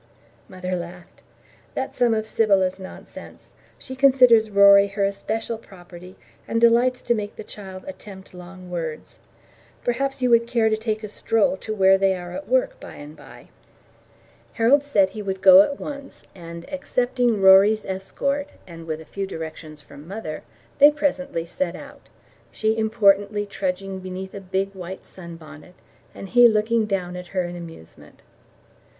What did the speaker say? Mother laughed. "That's some of Sybylla's nonsense. She considers Rory her especial property, and delights to make the child attempt long words. Perhaps you would care to take a stroll to where they are at work, by and by." Harold said he would go at once, and accepting Rory's escort, and with a few directions from mother, they presently set out she importantly trudging beneath a big white sun bonnet, and he looking down at her in amusement.